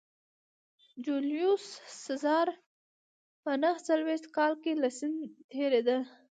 جیولیوس سزار په نهه څلوېښت کال کې له سیند تېرېده